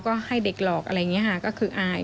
ก็ให้เด็กหลอกอะไรอย่างนี้ค่ะก็คืออาย